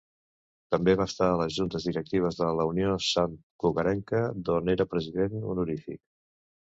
També va estar a les juntes directives de La Unió Santcugatenca, d'on era President Honorífic.